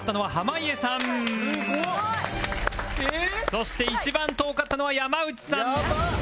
そして一番遠かったのは山内さんやばっ！